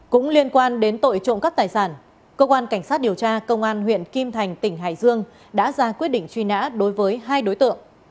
cũng liên quan đến tội trộm cắt tài sản cơ quan cảnh sát điều tra công an huyện kim thành tỉnh hải dương đã ra quyết định truy nã đối với hai đối tượng